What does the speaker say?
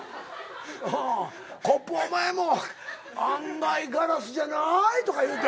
コップお前も案外ガラスじゃないとか言うて。